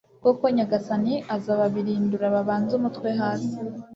koko nyagasani azababirindura babanze umutwe hasi